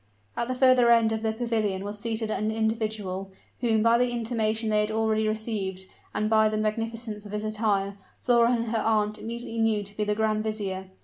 At the further end of the pavilion was seated an individual, whom, by the intimation they had already received, and by the magnificence of his attire, Flora and her aunt immediately knew to be the grand vizier.